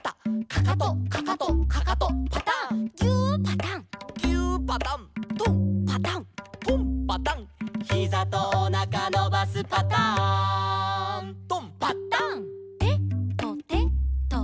「かかとかかとかかとパタン」「ぎゅーパタン」「ぎゅーパタン」「とんパタン」「とんパタン」「ひざとおなかのばすパターン」「とん」「パタン」「てとてと」